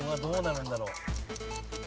どうなるんだろう？